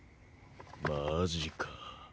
マジか。